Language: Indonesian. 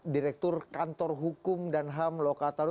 direktur kantor hukum dan ham lokataru